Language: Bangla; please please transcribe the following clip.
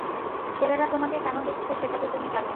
ছেলেরা তোমাকে কেন দেখছে সেটা তো তুমি জানোই!